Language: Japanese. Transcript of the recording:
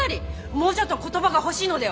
もうちょっと言葉が欲しいのでは？